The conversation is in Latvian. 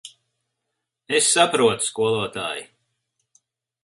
Es saprotu, skolotāj.